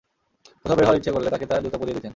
কোথাও বের হওয়ার ইচ্ছে করলে তাকে তার জুতা পরিয়ে দিতেন।